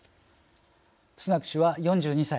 スナク氏は４２歳。